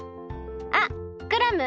あっクラム！？